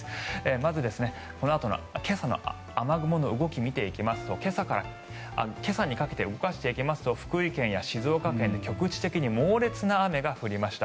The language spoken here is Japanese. まず、今朝の雨雲の動きを見ていきますと今朝にかけて動かしていきますと福井県や静岡県で局地的に猛烈な雨が降りました。